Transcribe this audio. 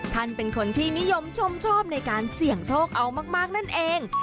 ท่านเป็นคนที่นิยมชมชอบในการเสี่ยงโชคเอามากนั่นเอง